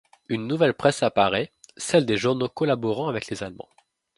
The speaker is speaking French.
Une nouvelle presse apparaît, celle des journaux collaborant avec les Allemands.